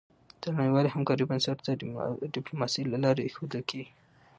د نړیوالې همکارۍ بنسټ د ډيپلوماسی له لارې ایښودل کېږي.